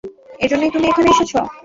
এজন্যই তুমি এখানে এসেছ?